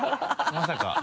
まさか。